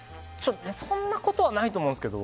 そんなことはないと思うんですけど。